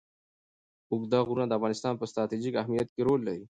اوږده غرونه د افغانستان په ستراتیژیک اهمیت کې رول لري.